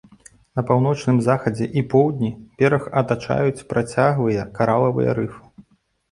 На паўночным захадзе і поўдні бераг атачаюць працяглыя каралавыя рыфы.